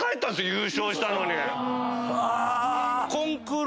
優勝したのに。